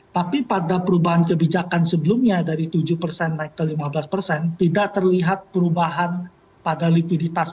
tapi pada perubahan kebijakan sebelumnya dari tujuh persen naik ke lima belas persen tidak terlihat perubahan pada likuiditas